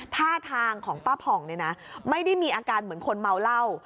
ท่าทางของป๊าผองไม่ได้มีอาการเหมือนคนเมาเหล้า